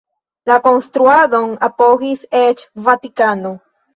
La konstruadon apogis eĉ Vatikano.